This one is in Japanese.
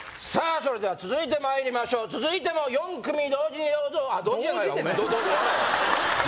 それでは続いてまいりましょう続いても４組同時にどうぞ同時って何？